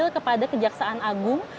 yang diatur kepada kejaksaan agung